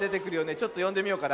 ちょっとよんでみようかな。